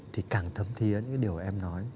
thì càng thấm thiến những cái điều em nói